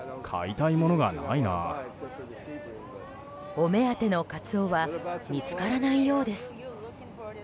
お目当てのカツオは見つからないようです。